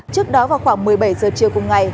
trước đó vào khoảng một mươi bảy giờ chiều cùng ngày